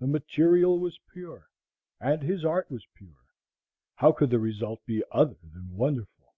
The material was pure, and his art was pure; how could the result be other than wonderful?